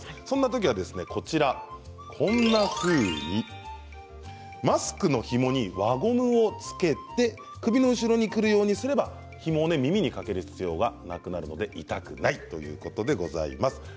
そんなときはこんなふうにマスクのひもに輪ゴムを付けて首の後ろにくるようにすればひも耳にかける必要はなくなるので痛くないということでございます。